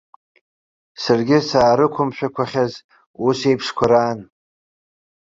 Саргьы саарықәымшәақәахьаз ус еиԥшқәа раан.